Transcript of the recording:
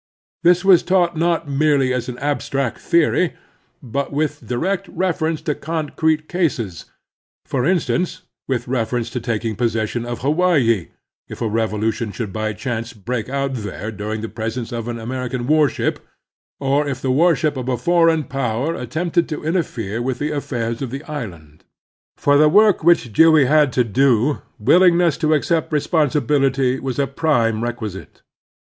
This was taught not merely as an i86 The Strenuous Life abstract theory, but with direct reference to con crete cases ; for instance, with reference to taking possession of Hawaii, if a revolution should by chance break out there during the presence of an American warship, or if the warship of a foreign power attempted to interfere with the affairs of the island. For the work which Dewey had to do willing ness to accept responsibility was a prime reqtiisite.